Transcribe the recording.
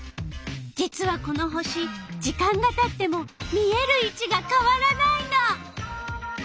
実はこの星時間がたっても見えるいちがかわらないの。